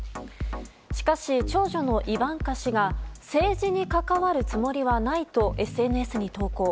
しかし長女のイバンカ氏が政治に関わるつもりはないとＳＮＳに投稿。